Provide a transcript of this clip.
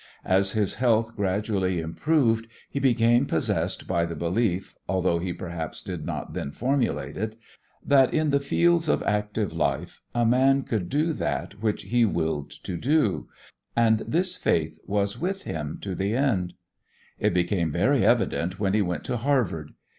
As his health gradually improved he became possessed by the belief, although he perhaps did not then formulate it, that in the fields of active life a man could do that which he willed to do; and this faith was with him to the end. It became very evident when he went to Harvard.